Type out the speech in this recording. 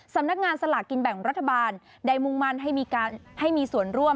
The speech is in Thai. สำนักงานสลากกินแบ่งรัฐบาลได้มุ่งมั่นให้มีส่วนร่วม